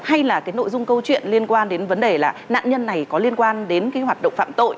hay là cái nội dung câu chuyện liên quan đến vấn đề là nạn nhân này có liên quan đến cái hoạt động phạm tội